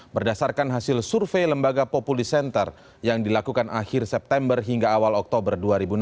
berdasarkan hasil survei lembaga populi center yang dilakukan akhir september hingga awal oktober dua ribu enam belas